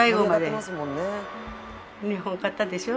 日本勝ったでしょ？